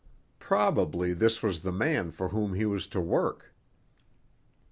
Probably this was the man for whom he was to work.